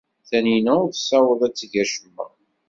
Taninna ur tessaweḍ ad teg acemma.